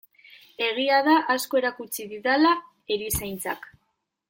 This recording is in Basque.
Egia da asko erakutsi didala erizaintzak.